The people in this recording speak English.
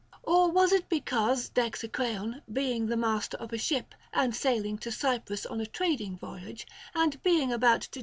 Or was it because Dexicreon, being the master of a ship, and sailing to Cyprus on a trading voyage, and being about to take in VOL.